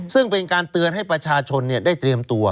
ซึ่งเป็นการเตือนให้ประชาชนได้เตรียมตัว